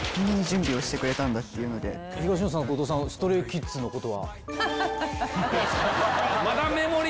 東野さん後藤さんＳｔｒａｙＫｉｄｓのことは？